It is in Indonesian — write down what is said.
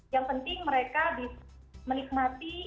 yang penting mereka bisa menikmati